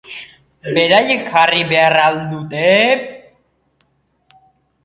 Beraiek jarri behar al dute?